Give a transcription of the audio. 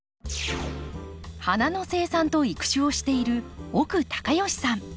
花の生産と育種をしている奥隆善さん。